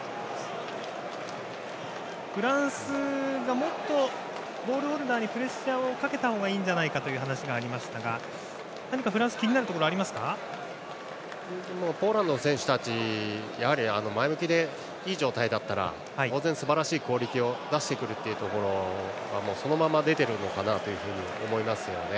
フランスがもっとボールホルダーにプレッシャーをかけたほうがいいんじゃないかという話がありましたが何かフランスポーランドの選手たちはやはり前向きでいい状態だったら当然すばらしいクオリティーを出してくるというところがそのまま出ているのかなと思います。